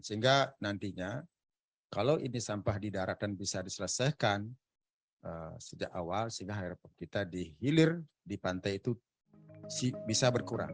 sehingga nantinya kalau ini sampah di darat dan bisa diselesaikan sejak awal sehingga airport kita dihilir di pantai itu bisa berkurang